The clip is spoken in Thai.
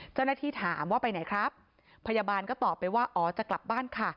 เจ้าหน้าที่ถามว่าไปไหนครับพยาบาลก็ตอบไปว่าอ๋อจะกลับบ้านค่ะ